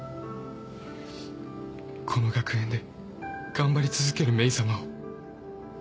この学園で頑張り続けるメイさまを。